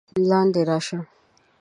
لاندې راشه!